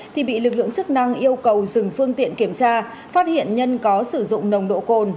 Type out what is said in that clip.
thì bị lực lượng chức năng yêu cầu dừng phương tiện kiểm tra phát hiện nhân có sử dụng nồng độ cồn